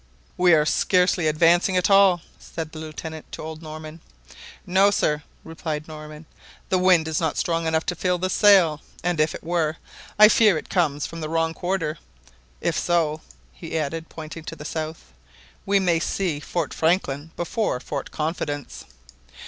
"We are scarcely advancing at all," said the Lieutenant to old Norman. "No, sir," replied Norman; "the wind is not strong enough to fill the sail, and if it were, I fear it comes from the wrong quarter. If so," he added, pointing to the south, "we may see Fort Franklin before Fort Confidence."